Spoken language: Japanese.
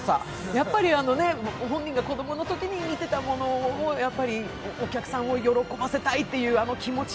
やっぱりご本人が子供のときに見ていたものを、お客さんを喜ばせたいというあの気持ち。